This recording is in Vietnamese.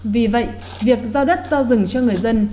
vì vậy việc do đất do rừng cho người dân